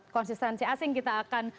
konsistensi asing kita akan